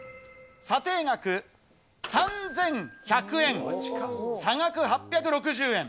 査定額３１００円、差額８６０円。